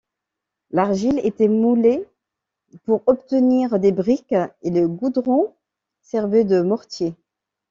L'argile était moulé pour obtenir des briques et le goudron servait de mortier.